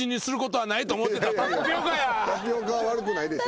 タピオカは悪くないでしょ。